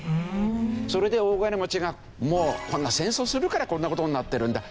それで大金持ちがもうこんな戦争するからこんな事になってるんだ